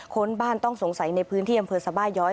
ค้นบ้านต้องสงสัยในพื้นที่อำเภอสบาย้อย